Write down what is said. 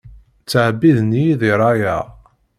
Ttɛebbiden-iyi di rrayeɛ.